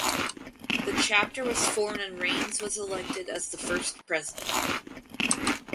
The chapter was formed and Raines was elected as the first president.